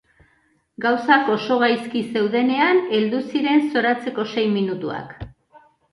Gauzak oso gaizki zeudenean heldu ziren zoratzeko sei minutuak.